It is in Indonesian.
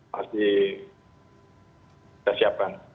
masih kita siapkan